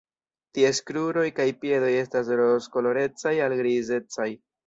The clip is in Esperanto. Ties kruroj kaj piedoj estas rozkolorecaj al grizecaj.